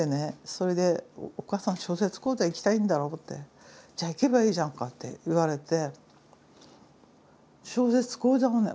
それで「お母さん小説講座行きたいんだろう」って「じゃあ行けばいいじゃんか」って言われて小説講座がね